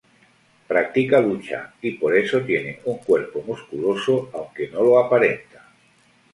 Practica lucha y por eso tiene un cuerpo musculoso, aunque no lo aparenta.